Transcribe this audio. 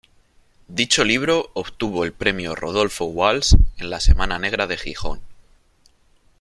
Dicho libro obtuvo el Premio Rodolfo Walsh en la Semana Negra de Gijón.